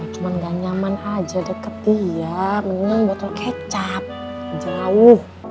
cuma gak nyaman aja deket dia menenang botol kecap jauh